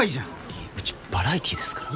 いやうちバラエティーですから。